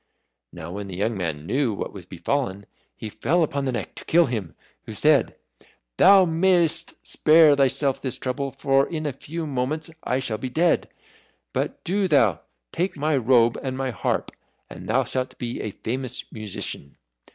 Now when the young man knew what was befallen, he fell upon the Neck to kill him, who said, "Thou mayest spare thyself this trouble, for in a few moments I shall be dead. But do thou take my robe and my harp, and thou shalt be a famous musician."